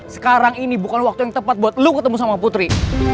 sekarang ini bukan waktu yang tepat buat lo ketemu sama putri